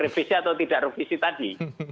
revisi atau tidak revisi tadi